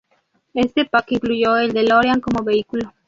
Este pack incluyó el DeLorean como vehículo.